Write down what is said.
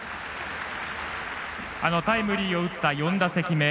タイムリーを打った４打席目。